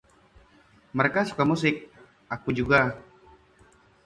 "Dia suka musik." "Aku juga."